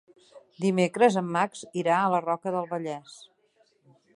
Dimecres en Max irà a la Roca del Vallès.